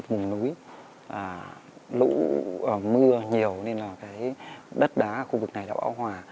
mùng núi lũ mưa nhiều nên là cái đất đá khu vực này đã bão hòa